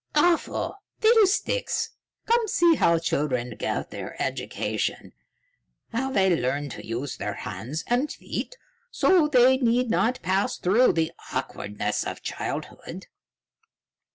"Awful, fiddlesticks! Come see how children get their education, how they learn to use their hands and feet so they need not pass through the awkwardness of childhood."